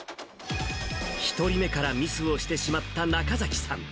１人目からミスをしてしまった中崎さん。